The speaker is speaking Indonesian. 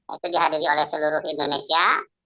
itu dihadiri oleh seluruh indonesia